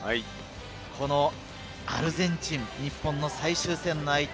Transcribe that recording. アルゼンチン、日本の最終戦の相手。